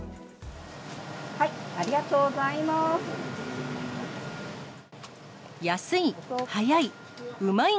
ありがとうございます。